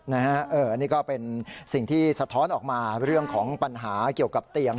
อันนี้ก็เป็นสิ่งที่สะท้อนออกมาเรื่องของปัญหาเกี่ยวกับเตียง